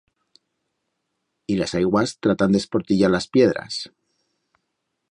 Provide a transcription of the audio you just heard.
Y las aiguas tratand d'esportillar las piedras.